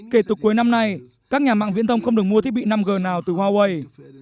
kể từ cuối năm nay các nhà mạng viễn thông không được mua thiết bị năm g nào từ huawei